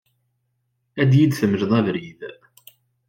Ad iyi-d-temleḍ abrid?